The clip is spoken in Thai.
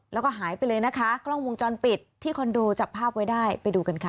แล้วก็หายไปเลยนะคะกล้องวงจรปิดที่คอนโดจับภาพไว้ได้ไปดูกันค่ะ